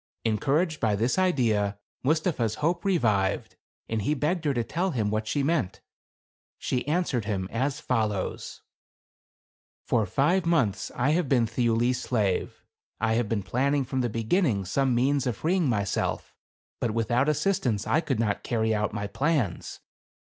Encouraged by this idea, Mustapha's hope re vived, and he begged her to tell him what she meant. She answered him as follows :— "For five months I have been Thiuli's slave. I have been planning from the beginning, some means of freeing myself ; but without assistance I could not carry out my plans.